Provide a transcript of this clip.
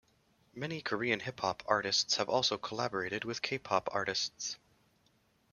Many Korean hip hop artists have also collaborated with K-pop artists.